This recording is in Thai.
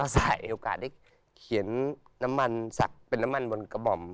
ใส่โอกาสได้เขียนน้ำมันสักเป็นน้ำมันบนกระหม่อม